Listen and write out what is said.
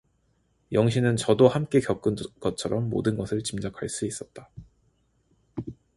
영신은 저도 함께 겪은 것처럼 모든 것을 짐작할 수 있었다.